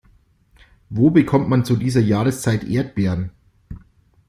Wo bekommt man zu dieser Jahreszeit Erdbeeren?